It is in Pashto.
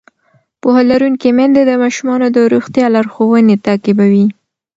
پوهه لرونکې میندې د ماشومانو د روغتیا لارښوونې تعقیبوي.